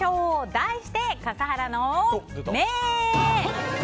題して、笠原の眼。